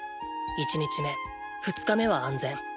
１日目２日目は安全。